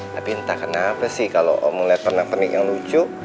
tapi entah kenapa sih kalau om ngeliat penik penik yang lucu